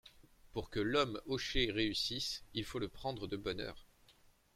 Pour que l’homme hochet réussisse, il faut le prendre de bonne heure.